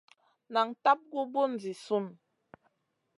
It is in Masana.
Nan tab gu bùn zi sùn.